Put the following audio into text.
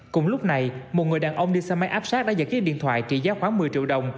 cùng lúc này một người đàn ông đi xe máy áp sát đã giật chiếc điện thoại trị giá khoảng một mươi triệu đồng